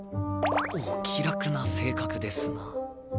お気楽な性格ですなぁ。